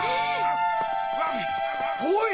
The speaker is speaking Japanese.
おい！